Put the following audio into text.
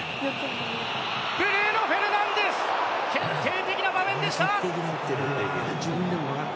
ブルーノ・フェルナンデス決定的な場面でした！